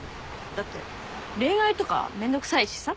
だって恋愛とかめんどくさいしさ。